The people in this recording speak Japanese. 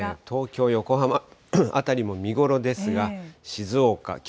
東京、横浜辺りも見頃ですが、静岡、